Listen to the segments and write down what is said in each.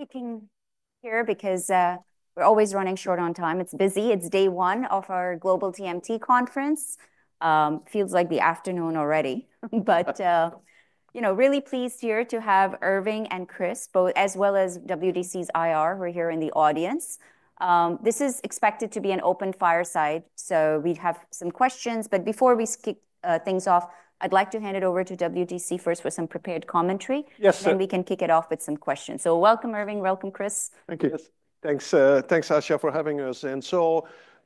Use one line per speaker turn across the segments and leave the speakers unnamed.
Picking here because we're always running short on time. It's busy. It's day one of our Global TMT Conference. Feels like the afternoon already. Really pleased here to have Irving and Kris, both as well as WDC 's IR, who are here in the audience. This is expected to be an open fireside, so we have some questions. Before we kick things off, I'd like to hand it over to WDC first for some prepared commentary.
Yes, sir.
We can kick it off with some questions. Welcome, Irving. Welcome, Kris.
Thank you. Thanks, thanks, Asha, for having us.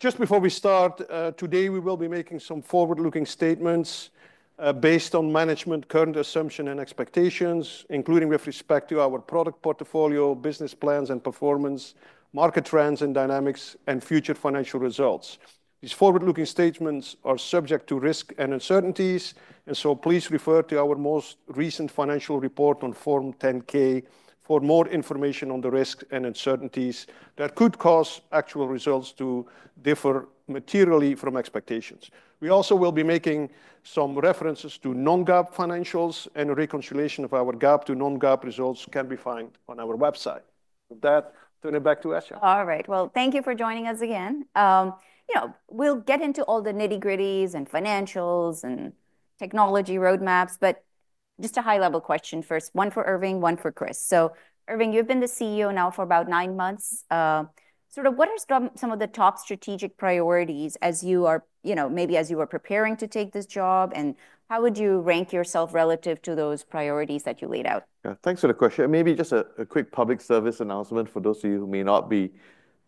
Just before we start, today we will be making some forward-looking statements, based on management's current assumptions and expectations, including with respect to our product portfolio, business plans and performance, market trends and dynamics, and future financial results. These forward-looking statements are subject to risk and uncertainties. Please refer to our most recent financial report on Form 10-K for more information on the risks and uncertainties that could cause actual results to differ materially from expectations. We also will be making some references to non-GAAP financials, and a reconciliation of our GAAP to non-GAAP results can be found on our website. With that, turn it back to Asha.
All right. Thank you for joining us again. We'll get into all the nitty-gritties and financials and technology roadmaps, but just a high-level question first. One for Irving, one for Kris. Irving, you've been the CEO now for about nine months. What are some of the top strategic priorities as you were preparing to take this job, and how would you rank yourself relative to those priorities that you laid out?
Yeah, thanks for the question. Maybe just a quick public service announcement for those of you who may not be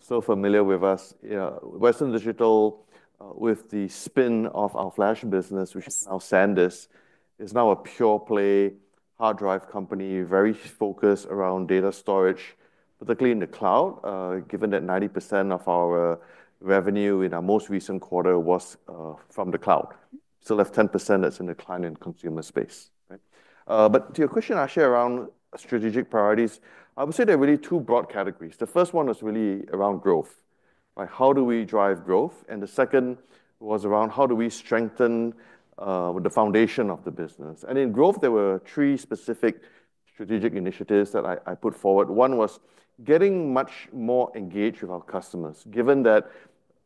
so familiar with us. You know, Western Digital, with the spin of our flash business, which is now SanDisk, is now a pure-play hard drive company, very focused around data storage, particularly in the cloud, given that 90% of our revenue in our most recent quarter was from the cloud. Still have 10% that's in the client and consumer space. Right. To your question, Asha, around strategic priorities, I would say there are really two broad categories. The first one was really around growth. Right. How do we drive growth? The second was around how do we strengthen the foundation of the business. In growth, there were three specific strategic initiatives that I put forward. One was getting much more engaged with our customers, given that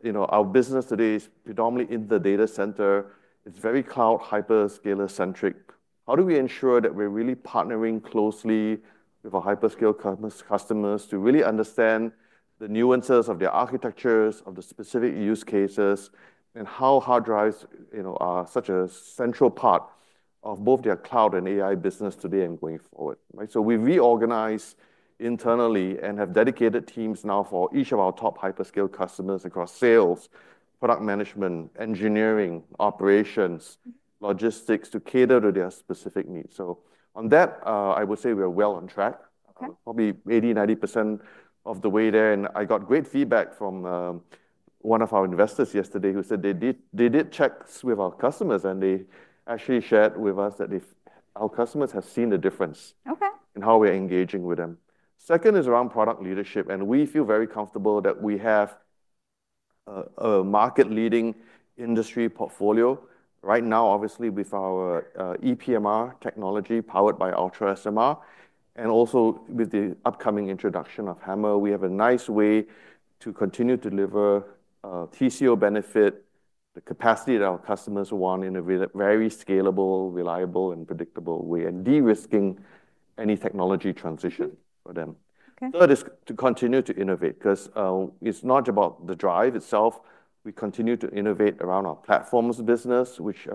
our business today is predominantly in the data center. It's very cloud hyperscaler-centric. How do we ensure that we're really partnering closely with our hyperscale customers to really understand the nuances of their architectures, of the specific use cases, and how hard drives are such a central part of both their cloud and AI business today and going forward. Right. We reorganized internally and have dedicated teams now for each of our top hyperscale customers across sales, product management, engineering, operations, logistics to cater to their specific needs. On that, I would say we are well on track. We're probably 80%, 90% of the way there. I got great feedback from one of our investors yesterday who said they did checks with our customers, and they actually shared with us that our customers have seen the difference in how we're engaging with them. Second is around product leadership. We feel very comfortable that we have a market-leading industry portfolio right now, obviously, with our EPMR technology powered by UltraSMR. Also with the upcoming introduction of HAMR, we have a nice way to continue to deliver TCO benefit, the capacity that our customers want in a very scalable, reliable, and predictable way, and de-risking any technology transition for them. Third is to continue to innovate because it's not just about the drive itself. We continue to innovate around our platforms business, which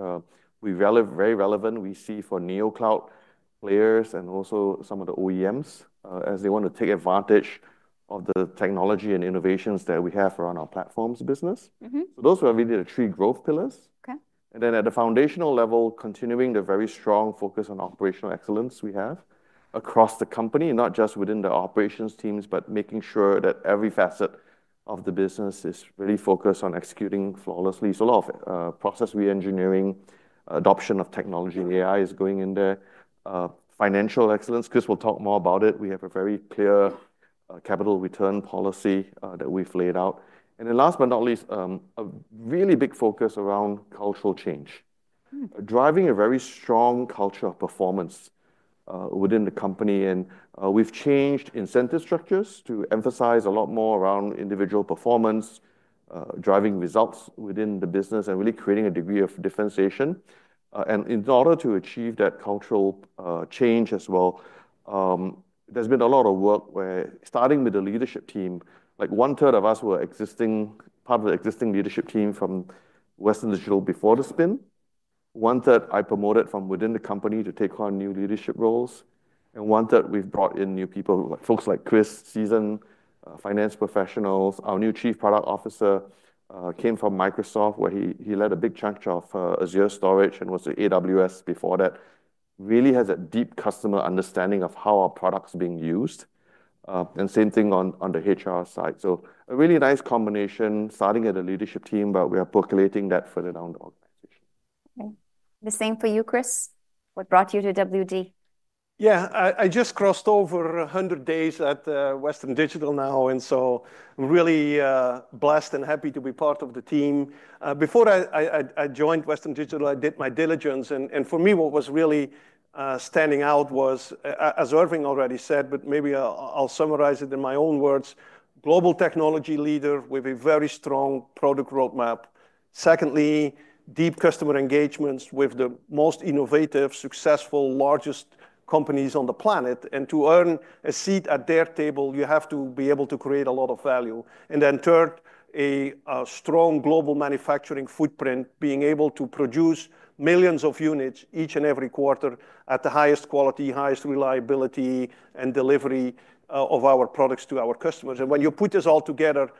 we are very relevant we see for neocloud players and also some of the OEMs as they want to take advantage of the technology and innovations that we have around our platforms business. Those are really the three growth pillars. At the foundational level, continuing the very strong focus on operational excellence we have across the company, not just within the operations teams, but making sure that every facet of the business is really focused on executing flawlessly. A lot of process re-engineering, adoption of technology, AI is going in there. Financial excellence, Kris will talk more about it. We have a very clear capital return policy that we've laid out. Last but not least, a really big focus around cultural change, driving a very strong culture of performance within the company. We've changed incentive structures to emphasize a lot more around individual performance, driving results within the business, and really creating a degree of differentiation. In order to achieve that cultural change as well, there's been a lot of work where starting with the leadership team, like 1/3 of us were part of the existing leadership team from Western Digital before the spin. 1/3 I promoted from within the company to take on new leadership roles. 1/3 we've brought in new people, like folks like Kris [Sennesael], finance professionals. Our new Chief Product Officer came from Microsoft, where he led a big chunk of Azure storage and was at AWS before that. Really has a deep customer understanding of how our product is being used. Same thing on the HR side. A really nice combination starting at the leadership team, but we are percolating that further down the organization.
Okay. The same for you, Kris? What brought you to WD?
Yeah, I just crossed over 100 days at Western Digital now. I'm really blessed and happy to be part of the team. Before I joined Western Digital, I did my diligence. For me, what was really standing out was, as Irving already said, but maybe I'll summarize it in my own words, global technology leader with a very strong product roadmap. Secondly, deep customer engagements with the most innovative, successful, largest companies on the planet. To earn a seat at their table, you have to be able to create a lot of value. Third, a strong global manufacturing footprint, being able to produce millions of units each and every quarter at the highest quality, highest reliability, and delivery of our products to our customers. When you put this all together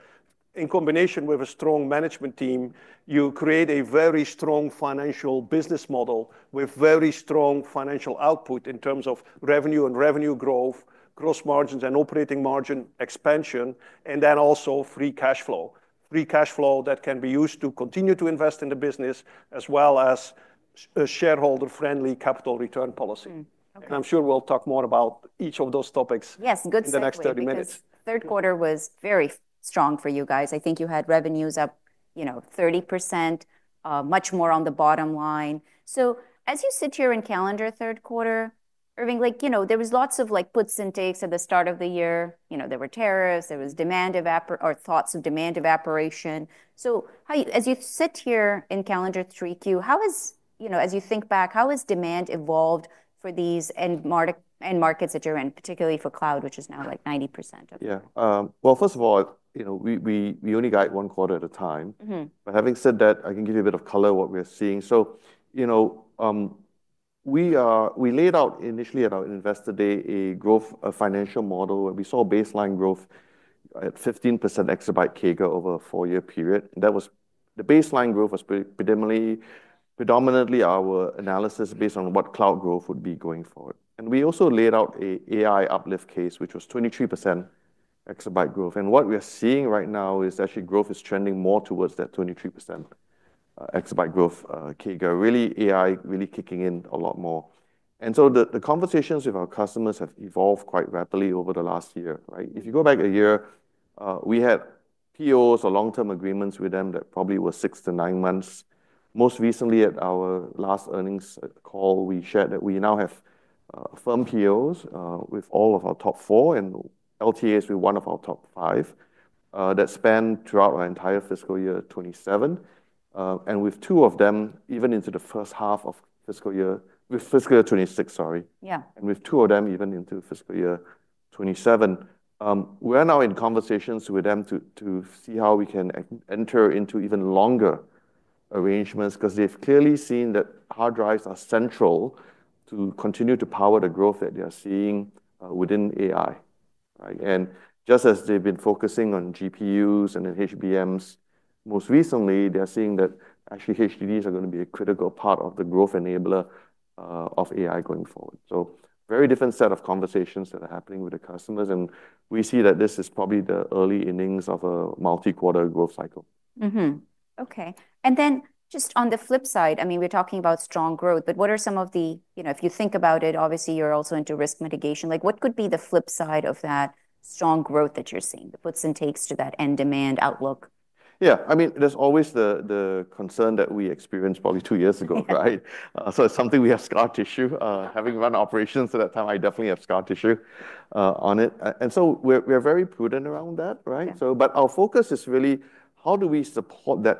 in combination with a strong management team, you create a very strong financial business model with very strong financial output in terms of revenue and revenue growth, gross margins and operating margin expansion, and also free cash flow. Free cash flow that can be used to continue to invest in the business, as well as a shareholder-friendly capital return policy. I'm sure we'll talk more about each of those topics in the next 30 minutes.
Third quarter was very strong for you guys. I think you had revenues up 30%, much more on the bottom line. As you sit here in calendar third quarter, Irving, there were lots of puts and takes at the start of the year. There were tariffs, there was demand or thoughts of demand evaporation. As you sit here in calendar 3Q, how has, as you think back, how has demand evolved for these end markets that you're in, particularly for cloud, which is now 90% of it?
Yeah. First of all, you know, we only got one quarter at a time. Having said that, I can give you a bit of color of what we're seeing. You know, we laid out initially at our investor day a growth, a financial model where we saw baseline growth at 15% exabyte CAGR over a four-year period. That baseline growth was predominantly our analysis based on what cloud growth would be going forward. We also laid out an AI uplift case, which was 23% exabyte growth. What we're seeing right now is actually growth is trending more towards that 23% exabyte growth CAGR. Really, AI really kicking in a lot more. The conversations with our customers have evolved quite rapidly over the last year. If you go back a year, we had POs or long-term agreements with them that probably were six to nine months. Most recently, at our last earnings call, we shared that we now have firm POs with all of our top four and LTAs with one of our top five, that span throughout our entire fiscal year 2027, and with two of them, even into the first half of fiscal year 2026, sorry. Yeah. With two of them, even into fiscal year 2027, we're now in conversations with them to see how we can enter into even longer arrangements because they've clearly seen that hard drives are central to continue to power the growth that they're seeing within AI. Just as they've been focusing on GPUs and HBMs, most recently, they're seeing that actually HDDs are going to be a critical part of the growth enabler of AI going forward. A very different set of conversations that are happening with the customers. We see that this is probably the early innings of a multi-quarter growth cycle.
Mm-hmm. Okay. On the flip side, we're talking about strong growth. What are some of the, you know, if you think about it, obviously, you're also into risk mitigation? What could be the flip side of that strong growth that you're seeing, the puts and takes to that end demand outlook?
Yeah, I mean, there's always the concern that we experienced probably two years ago, right? It's something we have scar tissue. Having run operations at that time, I definitely have scar tissue on it. We're very prudent around that, right? Our focus is really how do we support that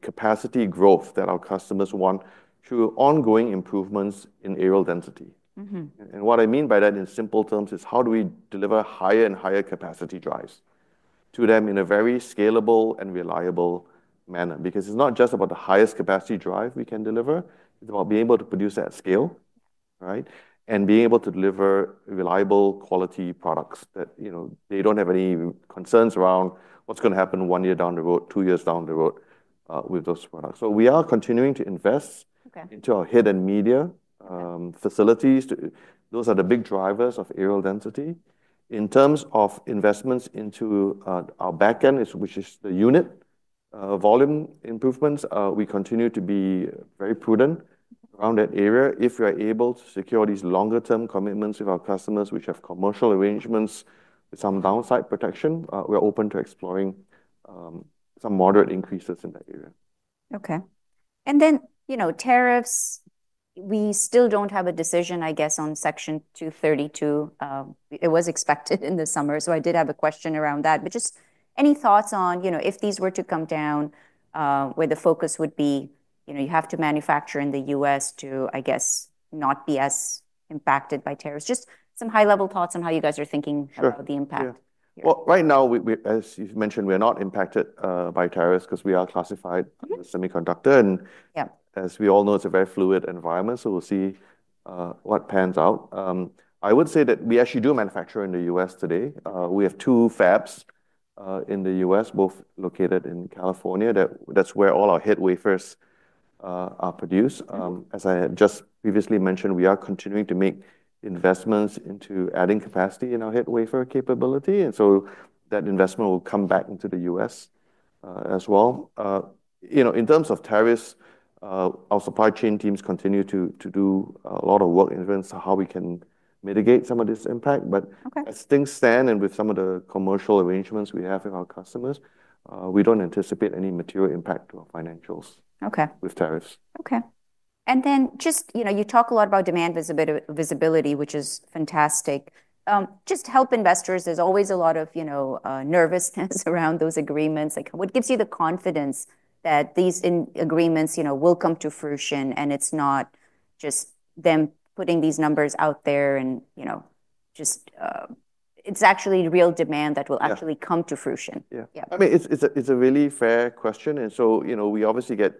capacity growth that our customers want through ongoing improvements in aerial density. What I mean by that in simple terms is how do we deliver higher and higher capacity drives to them in a very scalable and reliable manner? It's not just about the highest capacity drive we can deliver, it's about being able to produce that at scale, right? Being able to deliver reliable quality products that, you know, they don't have any concerns around what's going to happen one year down the road, two years down the road, with those products. We are continuing to invest into our head and media facilities. Those are the big drivers of aerial density. In terms of investments into our backend, which is the unit volume improvements, we continue to be very prudent around that area. If you're able to secure these longer-term commitments with our customers, which have commercial arrangements with some downside protection, we're open to exploring some moderate increases in that area.
Okay. Tariffs, we still don't have a decision, I guess, on Section 232. It was expected in the summer. I did have a question around that. Just any thoughts on, if these were to come down, where the focus would be. You have to manufacture in the U.S. to, I guess, not be as impacted by tariffs. Just some high-level thoughts on how you guys are thinking about the impact.
Right now, as you mentioned, we are not impacted by tariffs because we are classified as a semiconductor. As we all know, it's a very fluid environment. We'll see what pans out. I would say that we actually do manufacture in the U.S. today. We have two fabs in the U.S., both located in California. That's where all our head wafers are produced. As I had just previously mentioned, we are continuing to make investments into adding capacity in our head wafer capability, and that investment will come back into the U.S. as well. In terms of tariffs, our supply chain teams continue to do a lot of work in terms of how we can mitigate some of this impact. As things stand, and with some of the commercial arrangements we have with our customers, we don't anticipate any material impact to our financials with tariffs.
Okay. You talk a lot about demand visibility, which is fantastic. Just help investors. There's always a lot of nervousness around those agreements. What gives you the confidence that these agreements will come to fruition and it's not just them putting these numbers out there and it's actually real demand that will actually come to fruition?
Yeah. I mean, it's a really fair question. We obviously get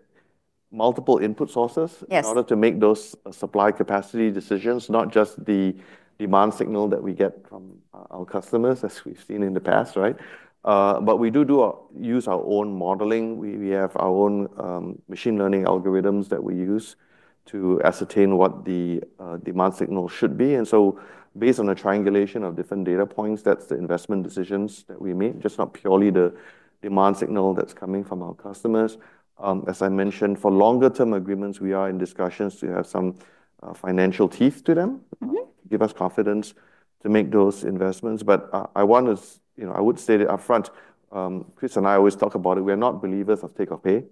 multiple input sources in order to make those supply capacity decisions, not just the demand signal that we get from our customers, as we've seen in the past, right? We do use our own modeling. We have our own machine learning algorithms that we use to ascertain what the demand signal should be. Based on a triangulation of different data points, that's the investment decisions that we make, not purely the demand signal that's coming from our customers. As I mentioned, for longer-term agreements, we are in discussions to have some financial teeth to them to give us confidence to make those investments. I want to say that upfront, Kris and I always talk about it. We're not believers of take or pay,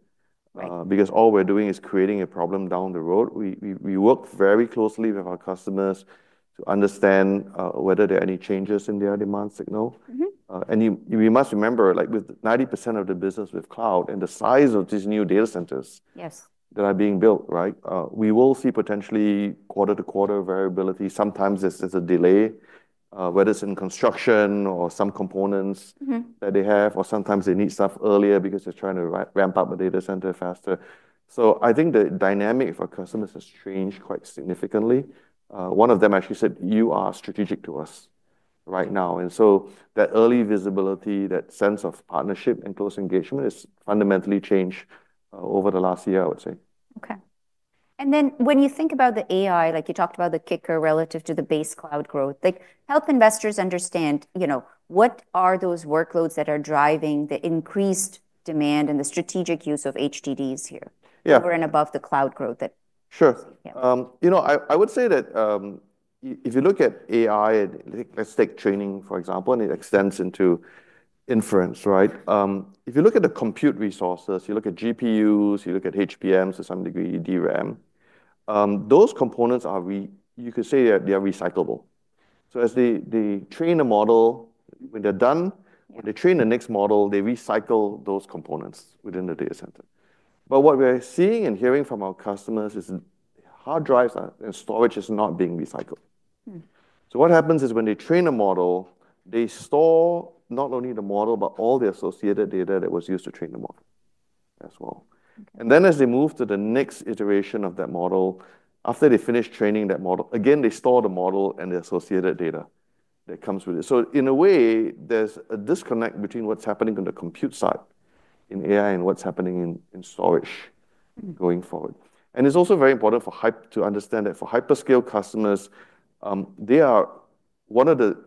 because all we're doing is creating a problem down the road. We work very closely with our customers to understand whether there are any changes in their demand signal. We must remember, with 90% of the business with cloud and the size of these new data centers that are being built, right? We will see potentially quarter-to-quarter variability. Sometimes it's a delay, whether it's in construction or some components that they have, or sometimes they need stuff earlier because they're trying to ramp up a data center faster. I think the dynamic for customers has changed quite significantly. One of them actually said, "You are strategic to us right now." That early visibility, that sense of partnership and close engagement has fundamentally changed over the last year, I would say.
Okay. When you think about the AI, like you talked about the kicker relative to the base cloud growth, help investors understand what are those workloads that are driving the increased demand and the strategic use of HDDs here? Over and above the cloud growth.
Sure. I would say that, if you look at AI, let's take training, for example, and it extends into inference, right? If you look at the compute resources, you look at GPUs, you look at HBMs, to some degree DRAM, those components are, you could say that they are recyclable. As they train a model, when they're done, they train the next model, they recycle those components within the data center. What we're seeing and hearing from our customers is hard drives and storage is not being recycled. What happens is when they train a model, they store not only the model, but all the associated data that was used to train the model as well. As they move to the next iteration of that model, after they finish training that model, again, they store the model and the associated data that comes with it. In a way, there's a disconnect between what's happening on the compute side in AI and what's happening in storage going forward. It's also very important for hyperscale customers to understand that one of the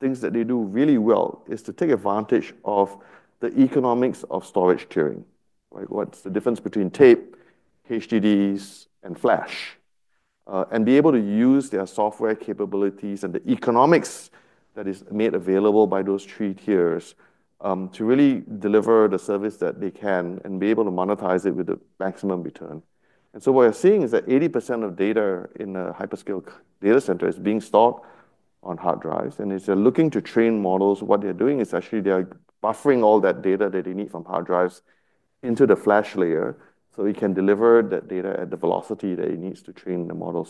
things they do really well is to take advantage of the economics of storage tiering. What's the difference between tape, HDDs, and flash, and be able to use their software capabilities and the economics that are made available by those three tiers to really deliver the service that they can and be able to monetize it with the maximum return. What we're seeing is that 80% of data in a hyperscale data center is being stored on hard drives. As they're looking to train models, what they're doing is actually buffering all that data that they need from hard drives into the flash layer so we can deliver that data at the velocity that it needs to train the model.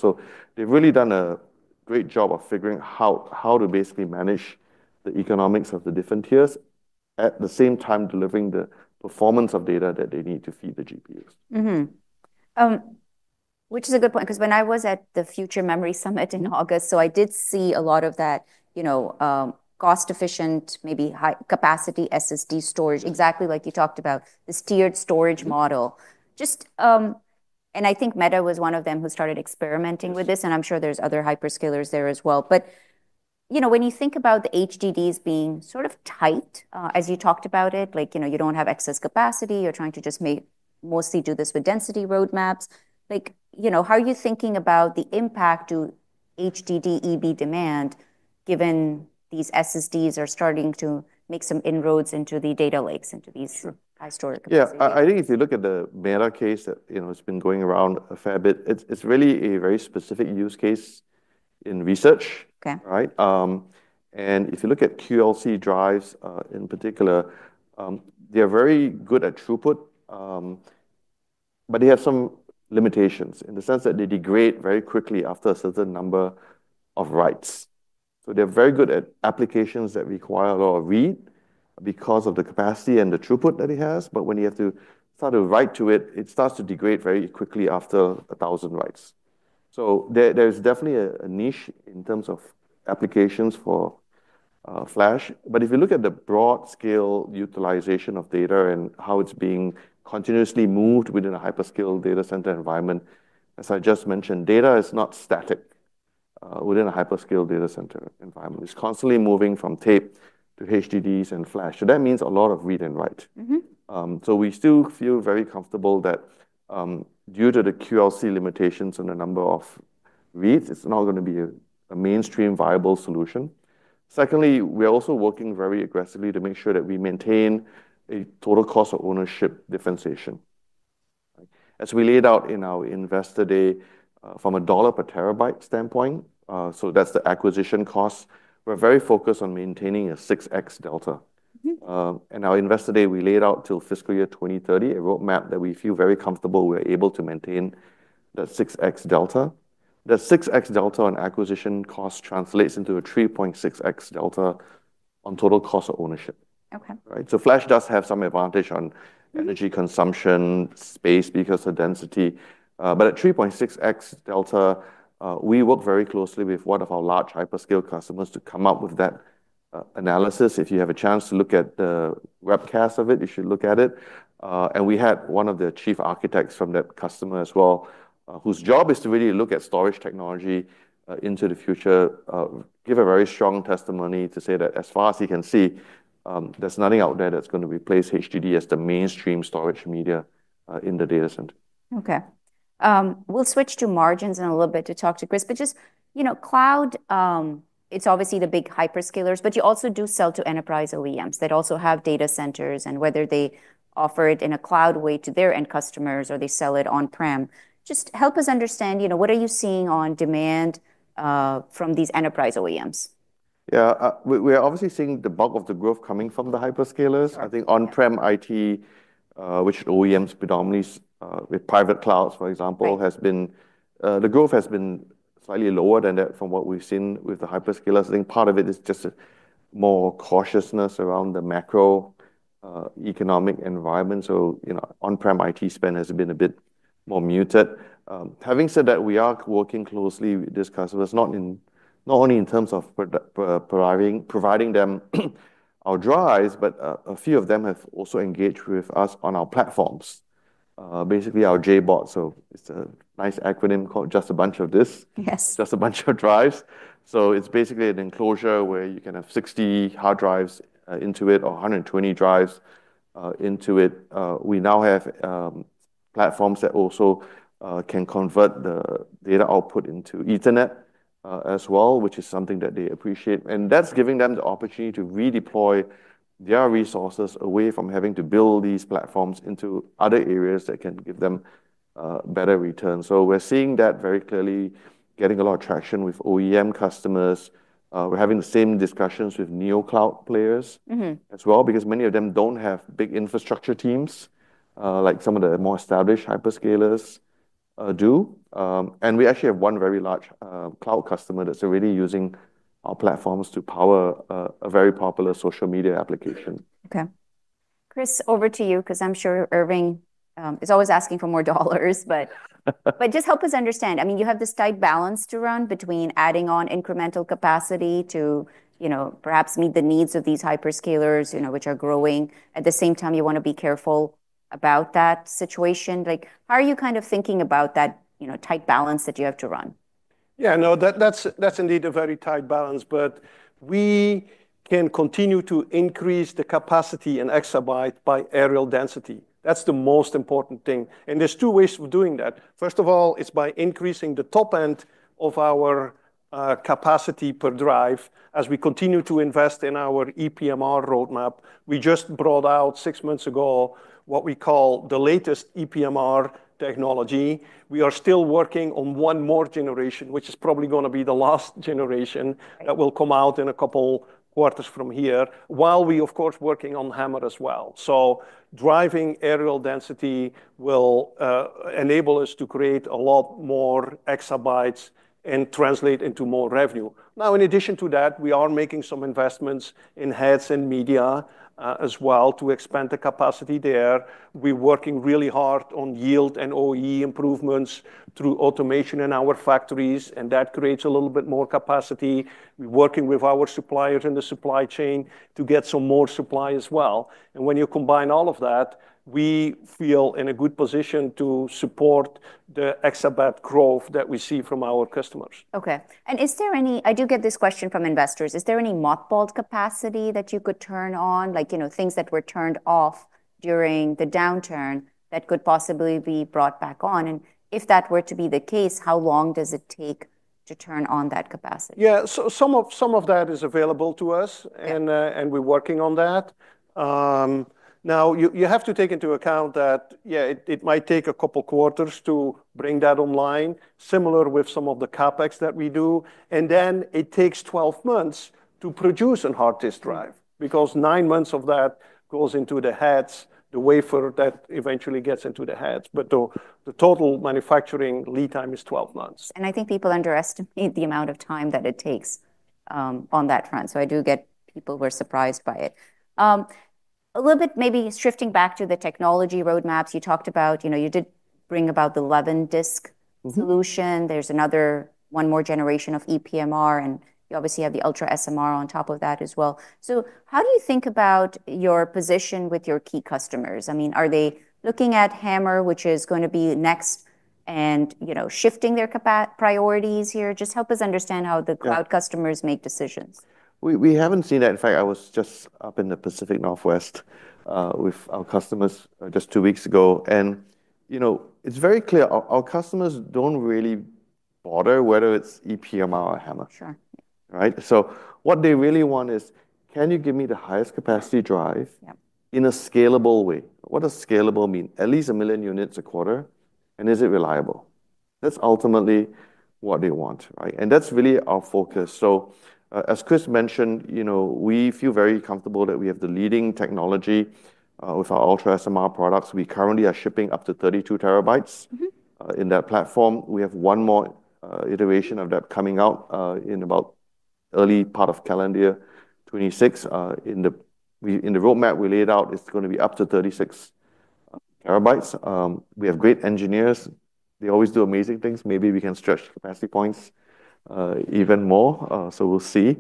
They've really done a great job of figuring out how to basically manage the economics of the different tiers at the same time delivering the performance of data that they need to feed the GPUs.
Which is a good point because when I was at the Future Memory Summit in August, I did see a lot of that cost-efficient, maybe high-capacity SSD storage, exactly like you talked about, this tiered storage model. I think Meta was one of them who started experimenting with this, and I'm sure there's other hyperscale cloud providers there as well. When you think about the HDDs being sort of tight, as you talked about it, like you don't have excess capacity, you're trying to just mostly do this with density roadmaps. How are you thinking about the impact to HDD EV demand given these SSDs are starting to make some inroads into the data lakes, into these high storage?
Yeah, I think if you look at the Meta case that, you know, it's been going around a fair bit, it's really a very specific use case in research. If you look at QLC drives, in particular, they're very good at throughput, but they have some limitations in the sense that they degrade very quickly after a certain number of writes. They're very good at applications that require a lot of read because of the capacity and the throughput that it has. When you have to start to write to it, it starts to degrade very quickly after 1,000 writes. There's definitely a niche in terms of applications for flash. If you look at the broad scale utilization of data and how it's being continuously moved within a hyperscale data center environment, as I just mentioned, data is not static within a hyperscale data center environment. It's constantly moving from tape to HDDs and flash. That means a lot of read and write. We still feel very comfortable that, due to the QLC limitations and the number of reads, it's not going to be a mainstream viable solution. Secondly, we're also working very aggressively to make sure that we maintain a total cost of ownership differentiation. As we laid out in our investor day, from a $1 per terabyte standpoint, that's the acquisition cost. We're very focused on maintaining a 6x delta. At our investor day, we laid out till fiscal year 2030 a roadmap that we feel very comfortable we're able to maintain the 6x delta. The 6x delta on acquisition cost translates into a 3.6x delta on total cost of ownership. Flash does have some advantage on energy consumption and space because of density. At 3.6x delta, we work very closely with one of our large hyperscale customers to come up with that analysis. If you have a chance to look at the webcast of it, you should look at it. We had one of the chief architects from that customer as well, whose job is to really look at storage technology into the future, give a very strong testimony to say that as far as he can see, there's nothing out there that's going to replace HDD as the mainstream storage media in the data center.
Okay. We'll switch to margins in a little bit to talk to Kris, but just, you know, cloud, it's obviously the big hyperscalers, but you also do sell to enterprise OEMs that also have data centers, and whether they offer it in a cloud way to their end customers or they sell it on-prem. Just help us understand, you know, what are you seeing on demand from these enterprise OEMs?
Yeah, we're obviously seeing the bulk of the growth coming from the hyperscale cloud providers. I think on-prem IT, which OEMs predominantly, with private clouds, for example, has been, the growth has been slightly lower than that from what we've seen with the hyperscale cloud providers. I think part of it is just a more cautiousness around the macroeconomic environment. On-prem IT spend has been a bit more muted. Having said that, we are working closely with these customers, not only in terms of providing them our drives, but a few of them have also engaged with us on our platforms, basically our JBOD. It's a nice acronym called just a bunch of disks, just a bunch of drives. It's basically an enclosure where you can have 60 hard drives into it or 120 drives into it. We now have platforms that also can convert the data output into Ethernet as well, which is something that they appreciate. That's giving them the opportunity to redeploy their resources away from having to build these platforms into other areas that can give them better return. We're seeing that very clearly, getting a lot of traction with OEM customers. We're having the same discussions with neocloud players as well because many of them don't have big infrastructure teams, like some of the more established hyperscale cloud providers do. We actually have one very large cloud customer that's already using our platforms to power a very popular social media application.
Okay. Kris, over to you, because I'm sure Irving is always asking for more dollars, but just help us understand. I mean, you have this tight balance to run between adding on incremental capacity to, you know, perhaps meet the needs of these hyperscale cloud providers, you know, which are growing. At the same time, you want to be careful about that situation. How are you kind of thinking about that, you know, tight balance that you have to run?
Yeah, no, that's indeed a very tight balance. We can continue to increase the capacity in exabytes by aerial density. That's the most important thing. There are two ways of doing that. First of all, it's by increasing the top end of our capacity per drive. As we continue to invest in our EPMR roadmap, we just brought out six months ago what we call the latest EPMR technology. We are still working on one more generation, which is probably going to be the last generation that will come out in a couple quarters from here, while we, of course, are working on HAMR as well. Driving aerial density will enable us to create a lot more exabytes and translate into more revenue. In addition to that, we are making some investments in heads and media as well to expand the capacity there. We're working really hard on yield and OEE improvements through automation in our factories, and that creates a little bit more capacity. We're working with our suppliers in the supply chain to get some more supply as well. When you combine all of that, we feel in a good position to support the exabyte growth that we see from our customers.
Is there any mothballed capacity that you could turn on, like things that were turned off during the downturn that could possibly be brought back on? If that were to be the case, how long does it take to turn on that capacity?
Some of that is available to us, and we're working on that. You have to take into account that it might take a couple quarters to bring that online, similar with some of the CapEx that we do. It takes 12 months to produce a hard disk drive because nine months of that goes into the heads, the wafer that eventually gets into the heads. The total manufacturing lead time is 12 months.
I think people underestimate the amount of time that it takes on that front. I do get people who are surprised by it. Maybe shifting back to the technology roadmaps you talked about, you did bring up the 11-disk solution. There's another one more generation of EPMR, and you obviously have the UltraSMR on top of that as well. How do you think about your position with your key customers? I mean, are they looking at HAMR, which is going to be next, and shifting their priorities here? Just help us understand how the cloud customers make decisions.
We haven't seen that. In fact, I was just up in the Pacific Northwest with our customers two weeks ago. It's very clear our customers don't really bother whether it's EPMR or HAMR.
Sure.
Right. What they really want is, can you give me the highest capacity drive in a scalable way? What does scalable mean? At least a million units a quarter. Is it reliable? That's ultimately what they want. That's really our focus. As Kris mentioned, we feel very comfortable that we have the leading technology with our UltraSMR products. We currently are shipping up to 32 TB in that platform. We have one more iteration of that coming out in about the early part of calendar 2026. In the roadmap we laid out, it's going to be up to 36 TB. We have great engineers. They always do amazing things. Maybe we can stretch capacity points even more. We'll see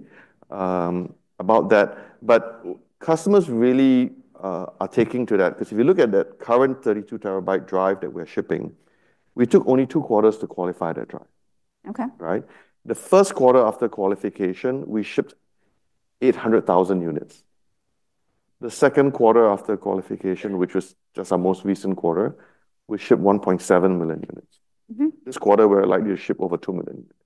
about that. Customers really are taking to that because if you look at that current 32 TB drive that we're shipping, we took only two quarters to qualify that drive.
Okay.
Right. The first quarter after qualification, we shipped 800,000 units. The second quarter after qualification, which was just our most recent quarter, we shipped 1.7 million units. This quarter, we're likely to ship over 2 million units.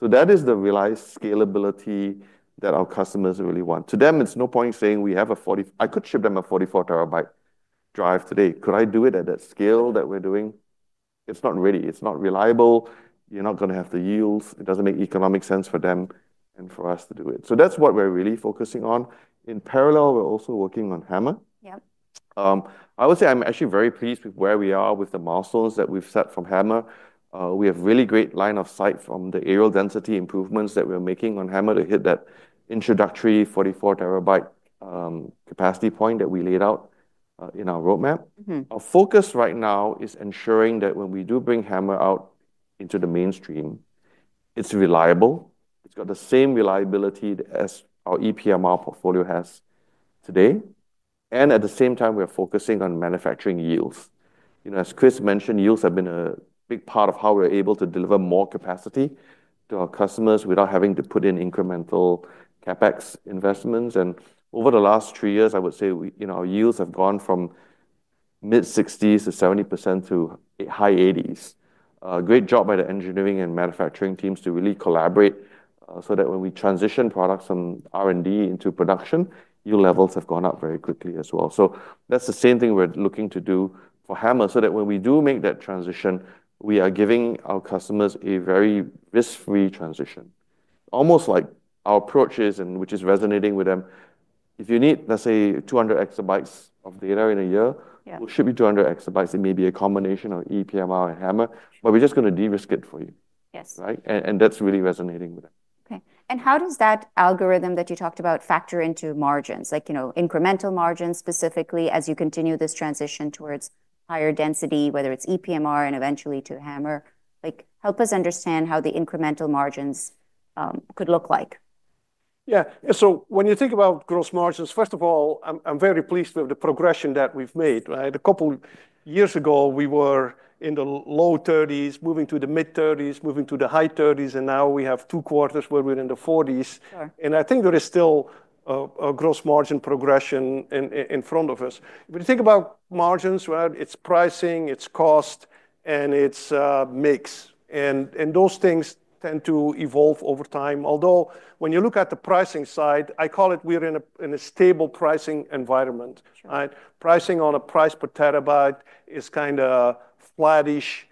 That is the realized scalability that our customers really want. To them, it's no point saying we have a 40 TB, I could ship them a 44 TB drive today. Could I do it at that scale that we're doing? It's not ready. It's not reliable. You're not going to have the yields. It doesn't make economic sense for them and for us to do it. That is what we're really focusing on. In parallel, we're also working on HAMR.
Yep.
I would say I'm actually very pleased with where we are with the milestones that we've set from HAMR. We have a really great line of sight from the aerial density improvements that we're making on HAMR to hit that introductory 44 TB capacity point that we laid out in our roadmap. Our focus right now is ensuring that when we do bring HAMR out into the mainstream, it's reliable. It's got the same reliability as our EPMR portfolio has today. At the same time, we are focusing on manufacturing yields. As Kris mentioned, yields have been a big part of how we're able to deliver more capacity to our customers without having to put in incremental CapEx investments. Over the last three years, I would say our yields have gone from mid-60%- 70% to high 80%. A great job by the engineering and manufacturing teams to really collaborate so that when we transition products from R&D into production, yield levels have gone up very quickly as well. That's the same thing we're looking to do for HAMR so that when we do make that transition, we are giving our customers a very risk-free transition. Almost like our approach is, and which is resonating with them, if you need, let's say, 200 EB of data in a year, we'll ship you 200 EB. It may be a combination of EPMR and HAMR, but we're just going to de-risk it for you.
Yes.
Right. That's really resonating with them.
Okay. How does that algorithm that you talked about factor into margins, like, you know, incremental margins specifically as you continue this transition towards higher density, whether it's EPMR and eventually to HAMR? Help us understand how the incremental margins could look like.
Yeah. When you think about gross margins, first of all, I'm very pleased with the progression that we've made, right? A couple of years ago, we were in the low 30s, moving to the mid-30s, moving to the high 30s, and now we have two quarters where we're in the 40s. I think there is still a gross margin progression in front of us. If you think about margins, right, it's pricing, it's cost, and it's a mix. Those things tend to evolve over time. Although when you look at the pricing side, I call it we're in a stable pricing environment, right? Pricing on a price per terabyte is kind of flat-ish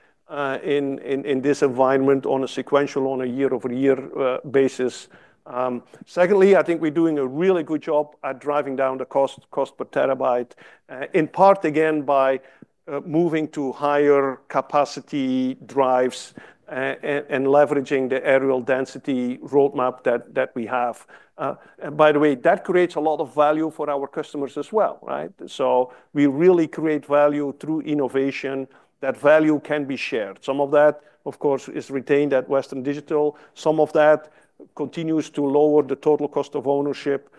in this environment on a sequential, on a year-over-year basis. Secondly, I think we're doing a really good job at driving down the cost per terabyte, in part again by moving to higher capacity drives and leveraging the aerial density roadmap that we have. By the way, that creates a lot of value for our customers as well, right? We really create value through innovation. That value can be shared. Some of that, of course, is retained at Western Digital. Some of that continues to lower the total cost of ownership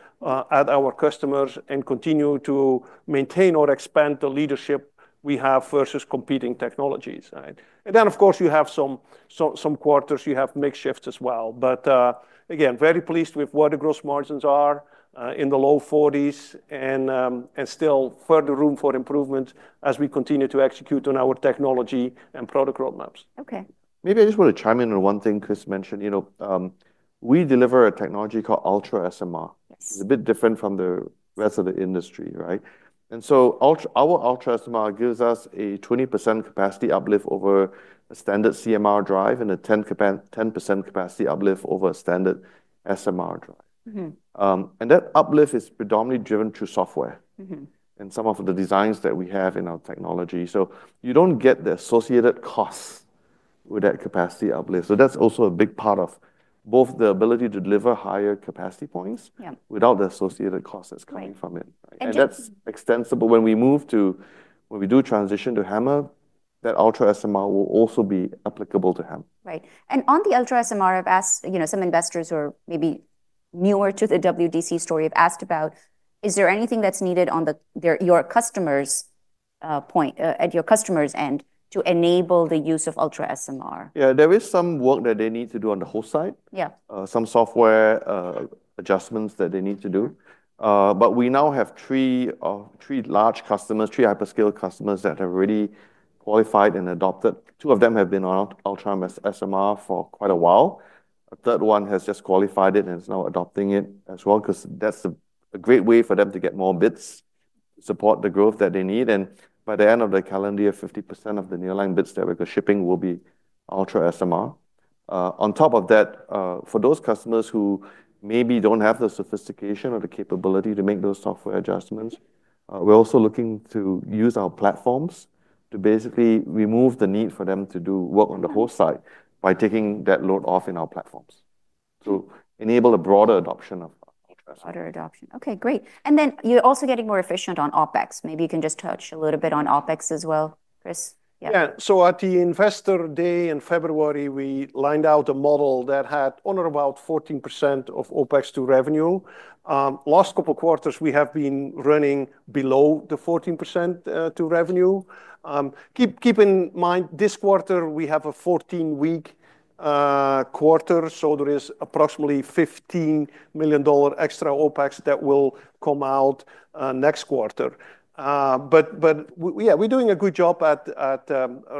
at our customers and continue to maintain or expand the leadership we have versus competing technologies, right? Of course, you have some quarters, you have mix shifts as well. Again, very pleased with where the gross margins are, in the low 40s and still further room for improvements as we continue to execute on our technology and product roadmaps.
Okay.
Maybe I just want to chime in on one thing Kris mentioned. You know, we deliver a technology called UltraSMR. It's a bit different from the rest of the industry, right? Our UltraSMR gives us a 20% capacity uplift over a standard CMR drive and a 10% capacity uplift over a standard SMR drive. That uplift is predominantly driven through software and some of the designs that we have in our technology. You don't get the associated costs with that capacity uplift. That's also a big part of both the ability to deliver higher capacity points without the associated cost that's coming from it.
And.
Extensible. When we move to, when we do transition to HAMR, that UltraSMR will also be applicable to HAMR.
Right. On the UltraSMR, I've asked some investors who are maybe newer to the Western Digital story, I've asked about, is there anything that's needed on your customers' end to enable the use of UltraSMR?
Yeah, there is some work that they need to do on the host side.
Yeah.
Some software adjustments that they need to do, but we now have three large customers, three hyperscale customers that have already qualified and adopted. Two of them have been on UltraSMR for quite a while. A third one has just qualified it and is now adopting it as well because that's a great way for them to get more bits to support the growth that they need. By the end of the calendar, 50% of the nearline bits that we're shipping will be UltraSMR. On top of that, for those customers who maybe don't have the sophistication or the capability to make those software adjustments, we're also looking to use our platforms to basically remove the need for them to do work on the host side by taking that load off in our platforms to enable a broader adoption of UltraSMR.
Okay, great. You're also getting more efficient on OpEx. Maybe you can just touch a little bit on OpEx as well, Kris?
Yeah. At the investor day in February, we lined out a model that had on or about 14% of OpEx to revenue. The last couple of quarters, we have been running below the 14% to revenue. Keep in mind this quarter, we have a 14-week quarter, so there is approximately $15 million extra OpEx that will come out next quarter. We're doing a good job at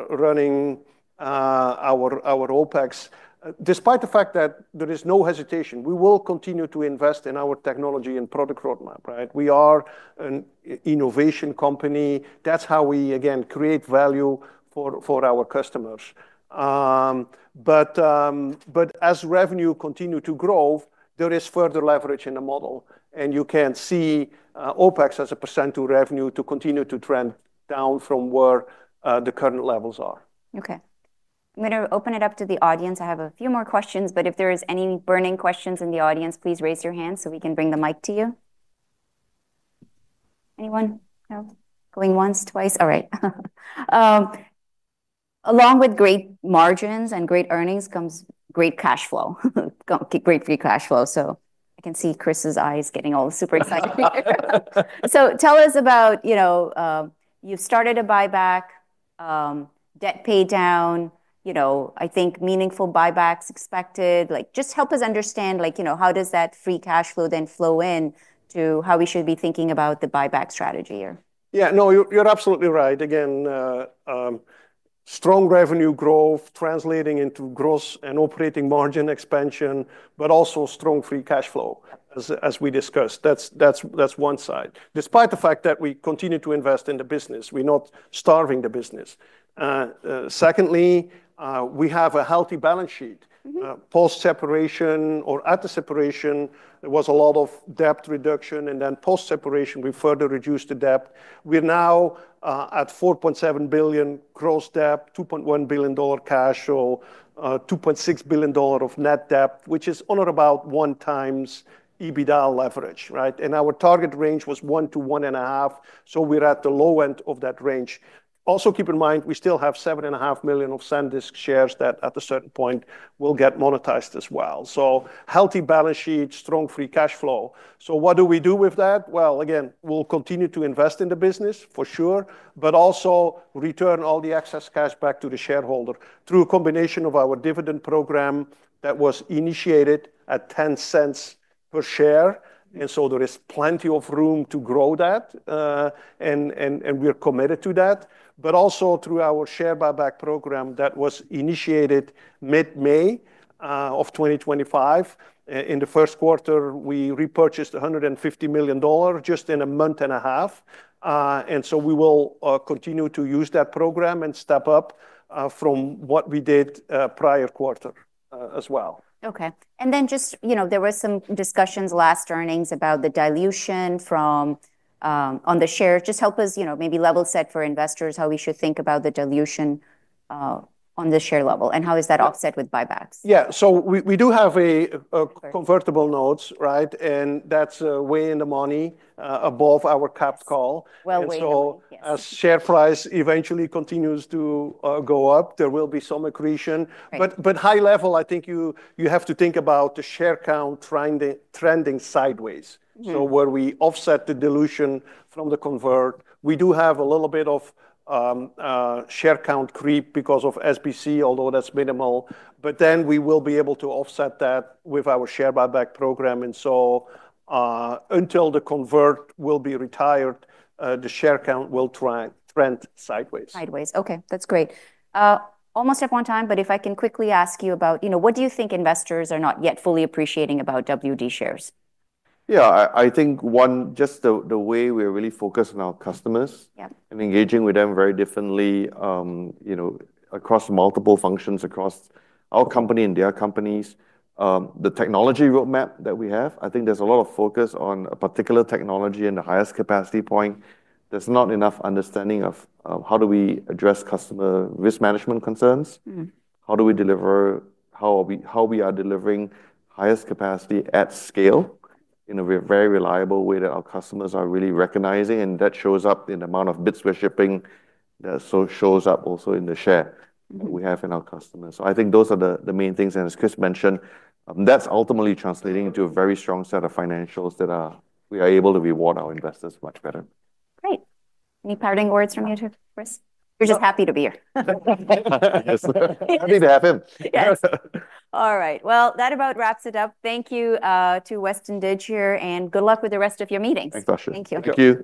running our OpEx despite the fact that there is no hesitation. We will continue to invest in our technology and product roadmap, right? We are an innovation company. That's how we, again, create value for our customers. As revenue continues to grow, there is further leverage in the model, and you can see OpEx as a percent to revenue continue to trend down from where the current levels are.
Okay. I'm going to open it up to the audience. I have a few more questions, but if there are any burning questions in the audience, please raise your hand so we can bring the mic to you. Anyone? No? Going once, twice. All right. Along with great margins and great earnings comes great cash flow, great free cash flow. I can see Kris's eyes getting all super excited. Tell us about, you know, you've started a buyback, debt paid down, I think meaningful buybacks expected. Just help us understand, like, you know, how does that free cash flow then flow in to how we should be thinking about the buyback strategy here?
Yeah, no, you're absolutely right. Again, strong revenue growth translating into gross and operating margin expansion, but also strong free cash flow, as we discussed. That's one side. Despite the fact that we continue to invest in the business, we're not starving the business. Secondly, we have a healthy balance sheet. Post-separation or at the separation, there was a lot of debt reduction, and then post-separation, we further reduced the debt. We're now at $4.7 billion gross debt, $2.1 billion cash flow, $2.6 billion of net debt, which is on or about 1x EBITDA leverage, right? Our target range was one to one and a half. We're at the low end of that range. Also, keep in mind, we still have 7.5 million of SanDisk shares that at a certain point will get monetized as well. Healthy balance sheet, strong free cash flow. What do we do with that? We'll continue to invest in the business for sure, but also return all the excess cash back to the shareholder through a combination of our dividend program that was initiated at $0.10 per share. There is plenty of room to grow that, and we're committed to that. Also, through our share buyback program that was initiated mid-May of 2025. In the first quarter, we repurchased $150 million just in a month and a half, and we will continue to use that program and step up from what we did prior quarter as well.
Okay. There were some discussions last earnings about the dilution from, on the shares. Just help us maybe level set for investors how we should think about the dilution on the share level and how is that offset with buybacks?
Yeah, we do have a convertible note, right? And that's way in the money, above our capped call.
Well-weighed.
As share price eventually continues to go up, there will be some accretion. High- level, I think you have to think about the share count trending sideways. Where we offset the dilution from the convert, we do have a little bit of share count creep because of SBC, although that's minimal. We will be able to offset that with our share buyback program. Until the convert will be retired, the share count will trend sideways.
Okay, that's great. Almost at one time, but if I can quickly ask you about, you know, what do you think investors are not yet fully appreciating about WD shares?
Yeah, I think one, just the way we're really focused on our customers and engaging with them very differently, across multiple functions across our company and their companies, the technology roadmap that we have, I think there's a lot of focus on a particular technology and the highest capacity point. There's not enough understanding of how do we address customer risk management concerns? How do we deliver, how are we, how we are delivering highest capacity at scale in a very reliable way that our customers are really recognizing? That shows up in the amount of bits we're shipping. That also shows up in the share that we have in our customers. I think those are the main things. As Kris mentioned, that's ultimately translating into a very strong set of financials that we are able to reward our investors much better.
Great. Any parting words from you too, Kris? You're just happy to be here.
Yes, sir. Happy to have him.
All right. That about wraps it up. Thank you to Western D here, and good luck with the rest of your meetings.
Thank you. Thank you.